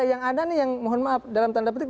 yang ada nih yang mohon maaf dalam tanda petik